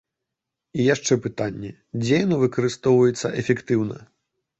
І яшчэ пытанне, дзе яно выкарыстоўваецца эфектыўна.